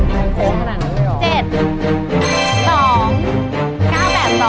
มันโค้งขนาดนั้นเลยเหรอ